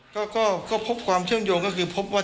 ก็พบความเชื่อมโยงก็คือพบว่า